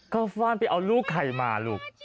ฟ่านไปเอาลูกใครมาลูก